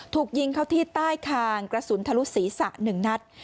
ถูกยิงเข้าที่ใต้คางกระสุนทะลุศีรษะ๑นัด